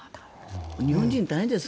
日本人大変ですよ。